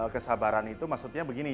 kesabaran itu maksudnya begini